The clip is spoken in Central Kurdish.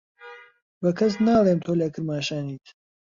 بە کەس ناڵێم تۆ لە کرماشانیت.